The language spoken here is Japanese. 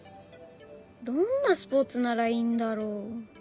どんなスポーツならいいんだろ？